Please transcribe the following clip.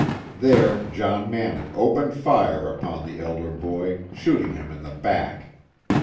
There John Mannin opened fire upon the elder boy, shooting him in the back.